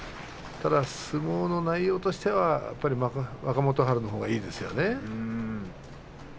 相撲の内容としては若元春のほうがいいですよね。